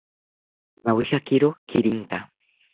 Nawijakiro kirinka